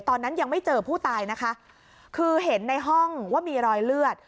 ตอนนั้นยังไม่เจอผู้ตายนะคะคือเห็นในห้องว่ามีรอยเลือด